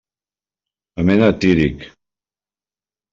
Anem a Tírig.